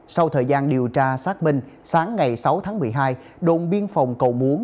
sau thời gian điều tra xác minh sáng ngày sáu tháng một mươi hai đồn biên phòng cầu muốn